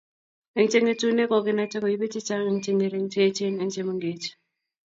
Eng chengetune kokinaita koibei chechang eng chengering, cheechen eng chemengech